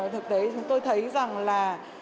thực tế chúng tôi thấy rằng là